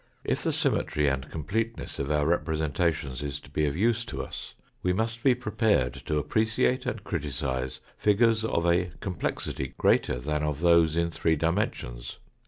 If the symmetry and completeness of our repre sentatation is to be of use to us we must be prepared to appreciate and criticise figures of a complexity greater than of those in three dimensions.